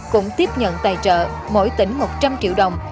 cũng tiếp nhận tài trợ mỗi tỉnh một trăm linh triệu đồng